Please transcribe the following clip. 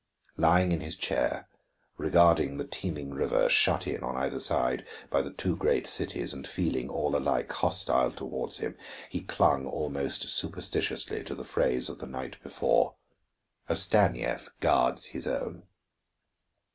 Lying in his chair, regarding the teeming river shut in on either side by the two great cities and feeling all alike hostile toward him, he clung almost superstitiously to the phrase of the night before: "A Stanief guards his own."